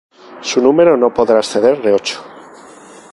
Su número no podrá exceder de ocho.